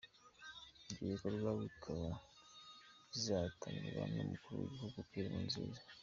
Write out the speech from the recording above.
Ibyo bikorwa bikaba bizatangizwa n’umukuru w’igihugu Pierre Nkurunziza.